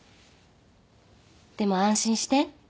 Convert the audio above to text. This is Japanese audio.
でも安心して。